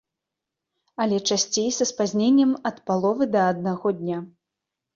Але часцей са спазненнем ад паловы да аднаго дня.